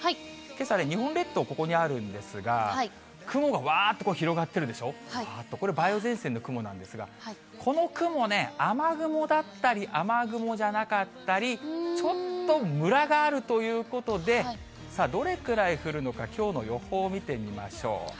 けさね、日本列島、ここにあるんですが、雲がわーっと広がってるでしょ、これ、梅雨前線の雲なんですが、この雲ね、雨雲だったり雨雲じゃなかったり、ちょっとむらがあるということで、さあ、どれくらい降るのか、きょうの予報を見てみましょう。